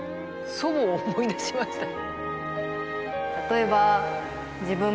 「祖母を思い出しました」。